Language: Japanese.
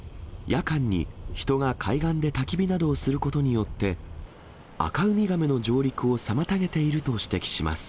夜間に人が海岸でたき火などをすることによって、アカウミガメの上陸を妨げていると指摘します。